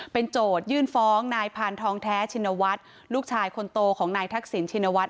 เป็นโจทยื่นฟ้องนายพานทองแท้ชินวัฒน์ลูกชายคนโตของนายทักษิณชินวัฒ